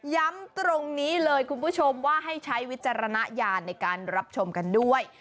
ย้ำตรงนี้เลยคุณผู้ชมว่าให้ใช้วิจารณญาณในการรับชมกันด้วย